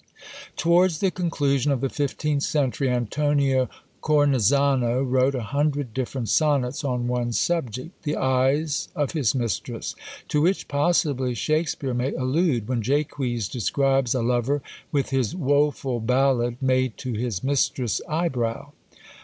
Towards the conclusion of the fifteenth century, Antonio Cornezano wrote a hundred different sonnets on one subject, "the eyes of his mistress!" to which possibly Shakspeare may allude, when Jaques describes a lover, with his Woeful ballad, Made to his mistress' eyebrow.